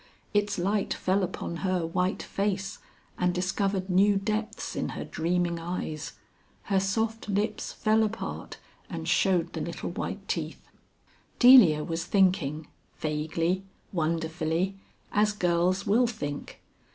Its light fell upon her white face, and discovered new depths in her dreaming eyes. Her soft lips fell apart and showed the little white teeth. Delia was thinking, vaguely, wonderfully, as girls will think.